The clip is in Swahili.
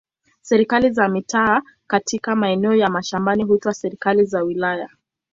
Serikali za mitaa katika maeneo ya mashambani huitwa serikali za wilaya.